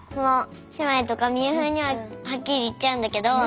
姉妹とか美羽風羽にははっきり言っちゃうんだけど。